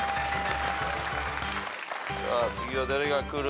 さあ次は誰が来る？